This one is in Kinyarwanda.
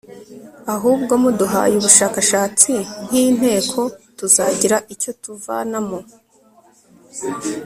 ahubwo muduhaye ubushakashatsi nk'inteko tuzagira icyo tuvanamo